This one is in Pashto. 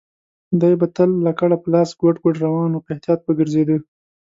دی به تل لکړه په لاس ګوډ ګوډ روان و، په احتیاط به ګرځېده.